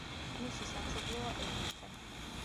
მისი სამშობლოა ეგვიპტე.